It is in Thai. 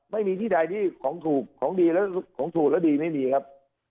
ไม่มีที่ใดที่ของถูกของดีแล้วของถูกแล้วดีไม่มีครับ